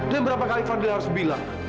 dan berapa kali fadhil harus bilang